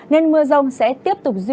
nên mưa rông sẽ tiếp tục dùng